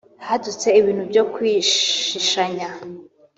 hadutse ibintu byo kwishishanya